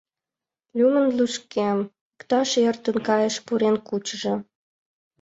Лӱмын лӱшкем: иктаж эртен кайыше пурен кучыжо.